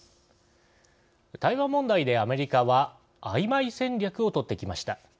台湾問題でアメリカはあいまい戦略をとってきました。